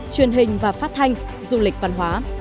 truyền hình và phát thanh du lịch văn hóa